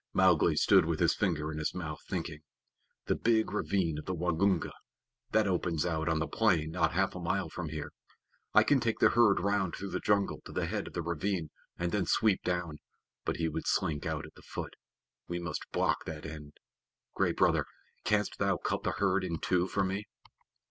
Mowgli stood with his finger in his mouth, thinking. "The big ravine of the Waingunga. That opens out on the plain not half a mile from here. I can take the herd round through the jungle to the head of the ravine and then sweep down but he would slink out at the foot. We must block that end. Gray Brother, canst thou cut the herd in two for me?"